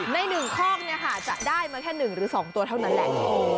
ใน๑ข้องจะได้มาแค่๑หรือ๒ตัวเท่านั้นแหละ